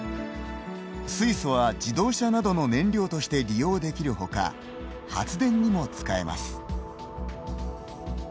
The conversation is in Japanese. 水素は自動車などの燃料として利用できるほか発電にも使えます。